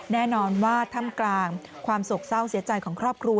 แน่นอนว่าถ้ำกลางความโศกเศร้าเสียใจของครอบครัว